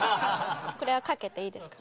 これはかけていいですか？